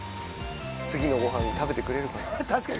次のごはん食べてくれるかな？